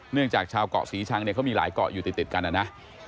จากชาวเกาะศรีชังเนี่ยเขามีหลายเกาะอยู่ติดกันนะนะ